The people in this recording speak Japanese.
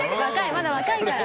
まだ若いから。